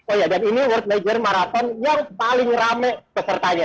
oh ya dan ini world major marathon yang paling rame pesertanya